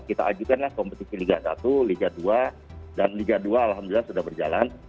kita ajukanlah kompetisi liga satu liga dua dan liga dua alhamdulillah sudah berjalan